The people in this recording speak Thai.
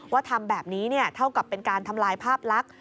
ทำแบบนี้เท่ากับเป็นการทำลายภาพลักษณ์